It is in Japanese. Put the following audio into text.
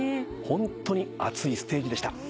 ホントに熱いステージでした。